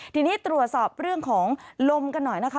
ทีนี้ตรวจสอบเรื่องของลมกันหน่อยนะคะ